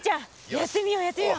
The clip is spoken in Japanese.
やってみようやってみよう。